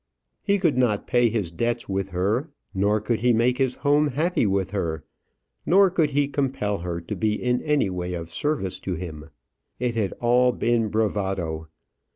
He could not pay his debts with her, nor could he make his home happy with her, nor could he compel her to be in any way of service to him. It had all been bravado.